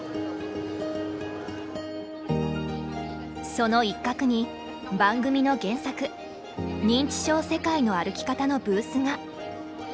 その一角に番組の原作「認知症世界の歩き方」のブースが。